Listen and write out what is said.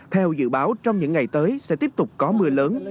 theo dự báo trong những ngày tới sẽ tiếp tục có mưa lớn